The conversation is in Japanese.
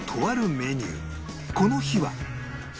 この日は